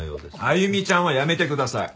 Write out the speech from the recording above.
「歩ちゃん」はやめてください！